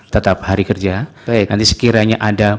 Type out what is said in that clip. tetap hari kerja nanti sekiranya ada